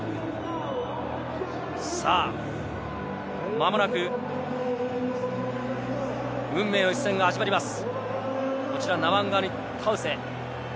まもなく運命の一戦が始まります。